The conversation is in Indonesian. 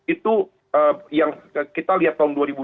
itu yang kita lihat tahun dua ribu dua puluh